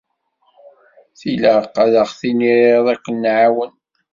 Tilaq ad aɣ-d-tiniḍ ad k-nɛawen.